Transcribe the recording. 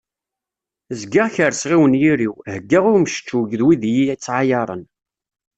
Zgiɣ kerseɣ i unyir-iw, heggaɣ i umcečew d wid iyi-ittɛayaren.